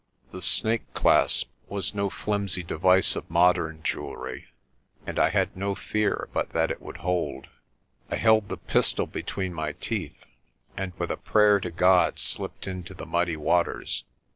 The snake clasp was no flimsy device of modern jewellery, and I had no fear but that it would hold. I held the pistol between my teeth, and with a prayer to God slipped into the muddy waters.